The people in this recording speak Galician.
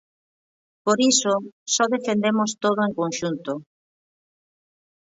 Por iso, só defendemos todo en conxunto.